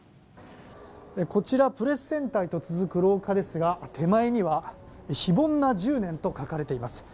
こちらプレスセンターへと続く廊下ですが手前には非凡な１０年と書かれています。